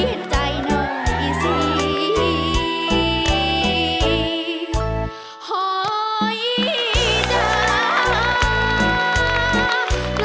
แต่วจากกลับมาท่าน้าที่รักอย่าช้านับสิสามเชย